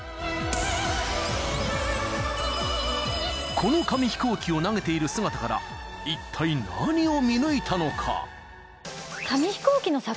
［この紙飛行機を投げている姿からいったい何を見抜いたのか？］